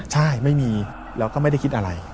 ใช่ไม่มีแล้วก็ไม่ได้คิดอะไร